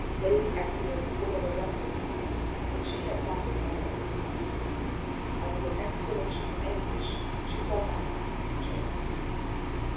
Lady Exeter would have arrested him, but she had not the nerve to do so, and with an exclamation of anguish she fell back in her chair.